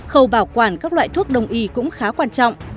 khẩu bảo quản các loại thuốc đồng y cũng khá quan trọng